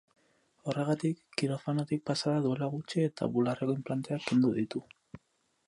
Horregatik, kirofanotik pasa da duela gutxi eta bularreko inplanteak kendu ditu.